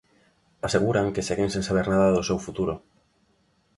Aseguran que seguen sen saber nada do seu futuro.